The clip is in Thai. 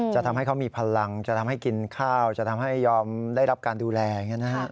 จะทำให้เขามีพลังจะทำให้กินข้าวจะทำให้ยอมได้รับการดูแลอย่างนี้นะฮะ